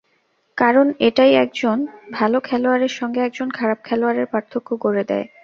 কারণ, এটাই একজন ভালো খেলোয়াড়ের সঙ্গে একজন খারাপ খেলোয়াড়ের পার্থক্য গড়ে দেয়।